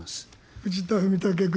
藤田文武君。